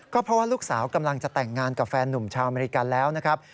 ก็เพราะว่าลูกสาวกำลังจะแต่งงานกับแฟนหนุ่มชาวอเมริกันแล้วนะครับ